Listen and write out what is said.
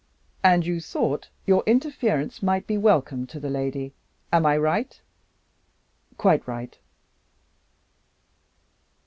"And you thought your interference might be welcome to the lady! Am I right?" "Quite right."